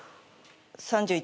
３１。